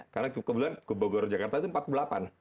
karena kebetulan ke bogor jakarta itu empat puluh delapan